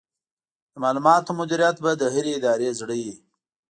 د معلوماتو مدیریت به د هرې ادارې زړه وي.